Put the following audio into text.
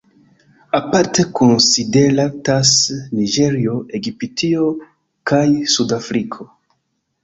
Aparte konsideratas Niĝerio, Egiptio kaj Sud-Afriko.